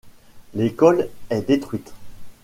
L'école est détruite.